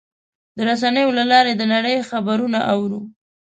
د رسنیو له لارې د نړۍ خبرونه اورو.